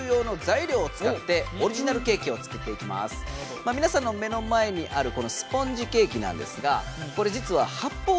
今からみなさんの目の前にあるこのスポンジケーキなんですがこれじつは発ぽう